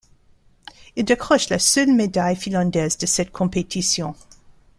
Il décroche la seule médaille finlandaise de cette compétition.